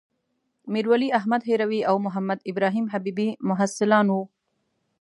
میرولی احمد هروي او محمدابراهیم حبيبي محصلان وو.